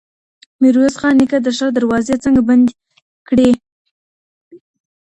ميرويس خان نيکه د ښار دروازې څنګه بندې کړي؟